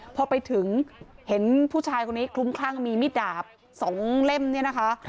พอไปถึงเห็นผู้ชายคนนี้คลุ้มคลั่งมีมิดดาบ๒เล่มเนี่ยนะคะ